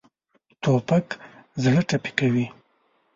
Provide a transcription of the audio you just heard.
توپک زړه ټپي کوي.